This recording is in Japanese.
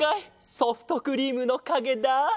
ソフトクリームのかげだ。